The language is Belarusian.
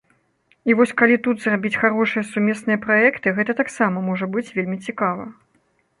І вось калі тут зрабіць харошыя сумесныя праекты, гэта таксама можа быць вельмі цікава.